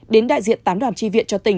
đến đại diện tám đoàn tri viện cho tỉnh